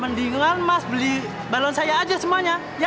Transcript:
mendingan mas beli balon saya aja semuanya